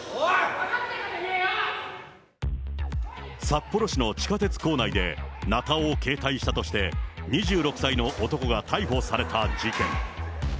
分かったか、札幌市の地下鉄構内で、なたを携帯したとして、２６歳の男が逮捕された事件。